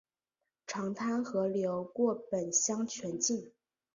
长滩河流过本乡全境。